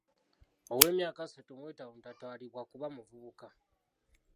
Ow'emyaka asatu mu etaano tatwalibwa kuba muvubuka.